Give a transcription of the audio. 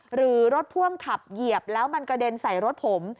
หรือรถพ่วงขับเหยียบแล้วมันกระเด็นใส่รถผม